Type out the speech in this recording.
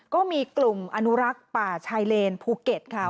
ก็มีกลุ่มอนุรักษ์ป่าชายเลนภูเก็ตค่ะ